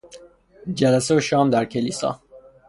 جلسه و شام در کلیسا